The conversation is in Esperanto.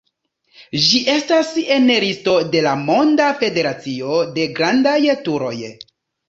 Ĝi estas en listo de la Monda Federacio de Grandaj Turoj.